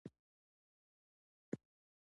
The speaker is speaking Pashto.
آیا زعفران تر ټولو ګران بوټی دی؟